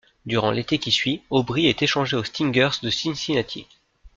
Durant l'été qui suit, Aubry est échangé aux Stingers de Cincinnati.